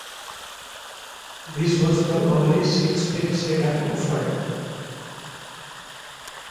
This was the only six-speed sedan offered.